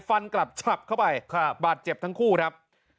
ฟันกลับฉลับเข้าไปบาดเจ็บทั้งคู่ครับ